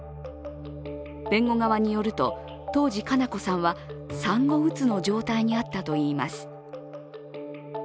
弁護側によると、当時、佳菜子さんは産後うつの状態にあったといいます。